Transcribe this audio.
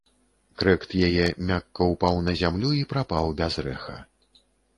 Крэкт яе мякка ўпаў на зямлю і прапаў без рэха.